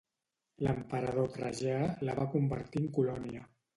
L'emperador Trajà la va convertir en colònia.